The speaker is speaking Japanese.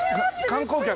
観光客？